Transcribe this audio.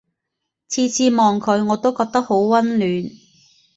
次次望佢我都覺得好溫暖